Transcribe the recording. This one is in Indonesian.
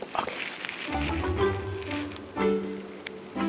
planes kangen luar